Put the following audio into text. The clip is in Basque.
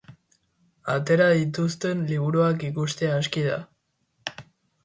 Atera dituzten liburuak ikustea aski da.